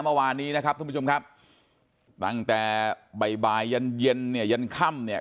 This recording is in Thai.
เมื่อวานนี้นะครับท่านผู้ชมครับตั้งแต่บ่ายบ่ายยันเย็นเย็นเนี่ยยันค่ำเนี่ย